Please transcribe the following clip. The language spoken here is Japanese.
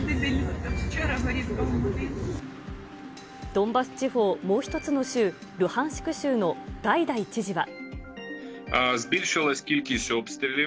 ドンバス地方もう１つの州、ルハンシク州のガイダイ知事は。